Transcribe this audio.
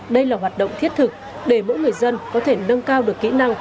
đây là hoạt động thiết thực để mỗi người dân có thể nâng cao được kỹ năng